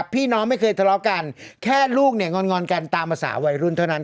ไม่เคยทะเลาะกันแค่ลูกเนี่ยงอนกันตามภาษาวัยรุ่นเท่านั้น